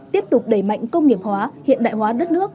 tiếp tục đẩy mạnh công nghiệp hóa hiện đại hóa đất nước